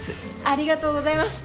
ありがとうございます！